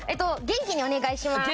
元気にお願いします。